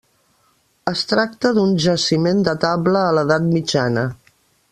Es tracta d'un jaciment datable a l'edat mitjana.